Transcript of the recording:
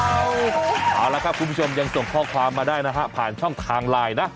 เอาละครับคุณผู้ชมยังส่งข้อความมาได้นะฮะผ่านช่องทางไลน์นะ